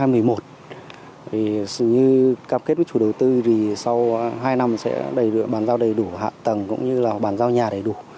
vì như cam kết với chủ đầu tư thì sau hai năm sẽ bàn giao đầy đủ hạ tầng cũng như là bàn giao nhà đầy đủ